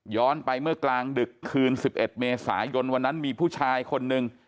ไปเมื่อกลางดึกคืน๑๑เมษายนวันนั้นมีผู้ชายคนหนึ่ง